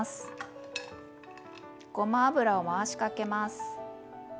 ごま油を回しかけます。